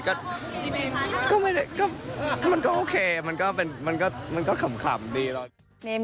ก็ไม่ได้มันก็โอเคมันก็คล่ำดีแล้ว